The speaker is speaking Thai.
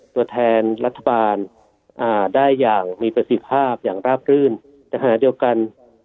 ตัวแทนรัฐบาลได้อย่างมีประสิทธิภาพอย่างราบรื่น